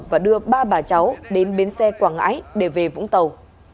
và đưa ba bà cháu đến bến xe quảng ngãi để về vũng tàu